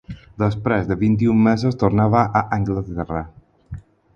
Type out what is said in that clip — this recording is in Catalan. Després de vint-i-un mesos tornava a Anglaterra.